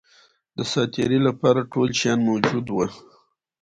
د سات تېري لپاره ټول شیان موجود وه.